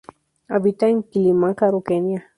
Habita en Kilimanjaro, Kenia.